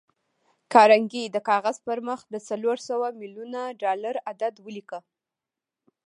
کارنګي د کاغذ پر مخ د څلور سوه ميليونه ډالر عدد وليکه.